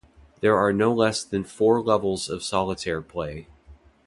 There are no less than four levels of solitaire play.